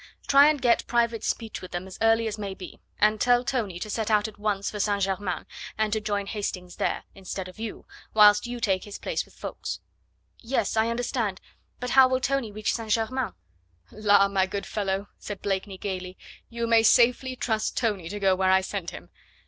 Try and get private speech with them as early as may be, and tell Tony to set out at once for St. Germain, and to join Hastings there, instead of you, whilst you take his place with Ffoulkes." "Yes, I understand; but how will Tony reach St. Germain?" "La, my good fellow," said Blakeney gaily, "you may safely trust Tony to go where I send him.